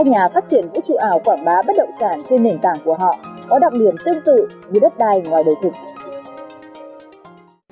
các nhà phát triển vũ trụ ảo quảng bá bất động sản trên nền tảng của họ có đặc biệt tương tự với đất đai ngoài đời thịnh